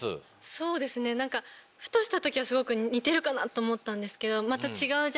そうですね何かふとした時はすごく似てるかなと思ったんですけど。